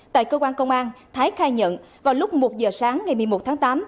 tại cơ quan công an thái khai nhận vào lúc một giờ sáng ngày một mươi một tháng tám